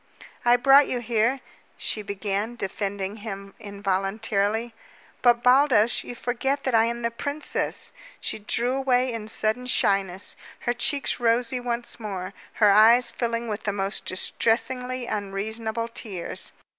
"I brought you here " she began, defending him involuntarily. "But, Baldos, you forget that I am the princess!" She drew away in sudden shyness, her cheeks rosy once more, her eyes filling with the most distressingly unreasonable tears.